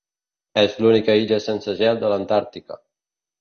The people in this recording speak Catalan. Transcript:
És l'única illa sense gel de l'Antàrtica.